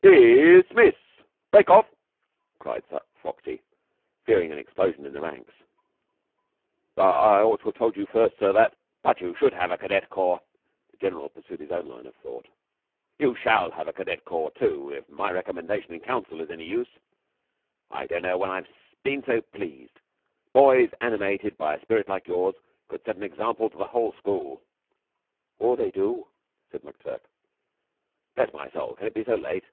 "Dismiss! Break off!" cried Foxy, fearing an explosion in the ranks. "I I ought to have told you, sir, that " "But you should have a cadet corps." The General pursued his own line of thought. "You shall have a cadet corps, too, if my recommendation in Council is any use. I don't know when I've been so pleased. Boys animated by a spirit like yours should set an example to the whole school." "They do," said McTurk. "Bless my soul! Can it be so late?